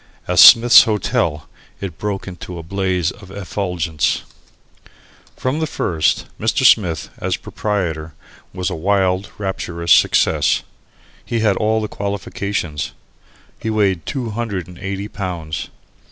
As "Smith's Hotel" it broke into a blaze of effulgence. From the first, Mr. Smith, as a proprietor, was a wild, rapturous success. He had all the qualifications. He weighed two hundred and eighty pounds.